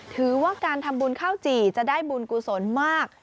ถือว่าการทำบุญข้าวจี่จะได้บุญกุศลมาก